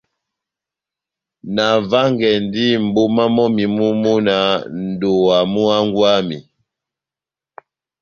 Navángɛndi mʼboma mɔ́mi mú múna nʼdowa mú hángwɛ wami.